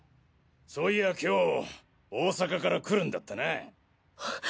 そういや今日大阪から来るんだったなぁ。